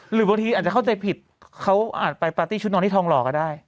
หรือบางทีอาจจะเข้าใจผิดเขาอาจไปปาร์ตี้ชุดนอนที่ทองหล่อก็ได้